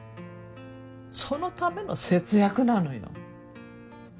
そのための節約なのよ。